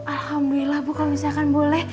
alhamdulillah bu kalau misalkan boleh